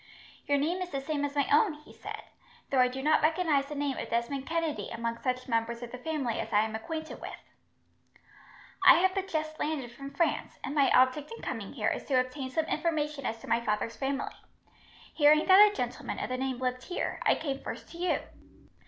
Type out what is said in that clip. "Your name is the same as my own," he said, "though I do not recognize the name of Desmond Kennedy among such members of the family as I am acquainted with." "I have but just landed from France, and my object in coming here is to obtain some information as to my father's family. Hearing that a gentleman of the name lived here, I came first to you.